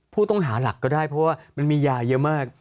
ผู้ต้องหาหลักก็ได้เพราะว่ามันมียาเยอะมาก